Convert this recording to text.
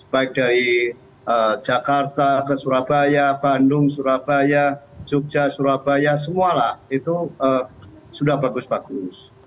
baik dari jakarta ke surabaya bandung surabaya jogja surabaya semualah itu sudah bagus bagus